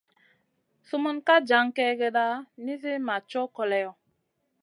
Sumun ka jan kègèda nizi ma co koleyo.